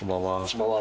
こんばんは。